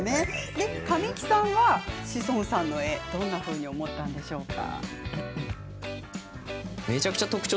で神木さんは志尊さんの絵どんなふうに思ったんでしょうか？